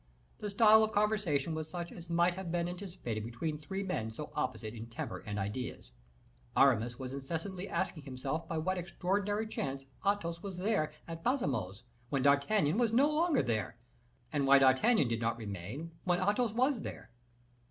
The style of conversation was such as might have been anticipated between three men so opposite in temper and ideas. Aramis was incessantly asking himself by what extraordinary chance Athos was there at Baisemeaux's when D'Artagnan was no longer there, and why D'Artagnan did not remain when Athos was there.